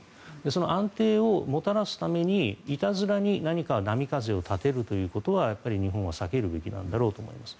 その安定をもたらすためにいたずらに波風を立てるということはやっぱり日本は避けるべきなんだろうと思います。